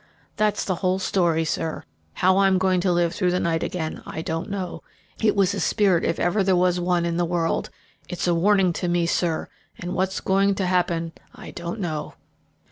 "That's the whole story, sir, and how I'm going to live through the night again I don't know. It was a spirit if ever there was one in the world. It's a warning to me, sir; and what's going to happen I don't know."